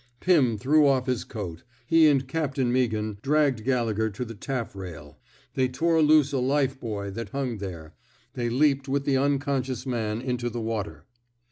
Pim threw off his coat. He and Captain Meaghan dragged Gallegher to the taffrail. They tore loose a life buoy that hung there. They leaped with the unconscious man into the water.